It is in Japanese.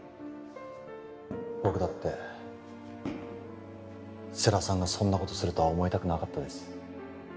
僕だって世良さんがそんなことするとは思いたくなかったです